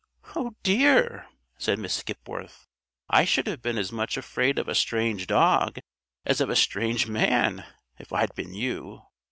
"Oh dear!" said Miss Skipworth; "I should have been as much afraid of a strange dog as of a strange man, if I'd been you."